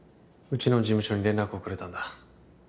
うちの事務所に連絡をくれたんだ